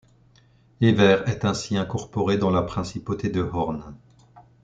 Evere est ainsi incorporée dans la principauté de Hornes.